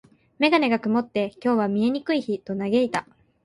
メガネが曇って、「今日は見えにくい日」と嘆いた。